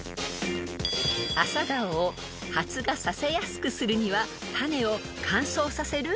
［アサガオを発芽させやすくするには種を乾燥させる？